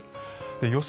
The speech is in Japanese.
予想